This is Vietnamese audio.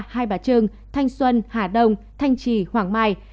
hai bà trưng thanh xuân hà đông thanh trì hoàng mai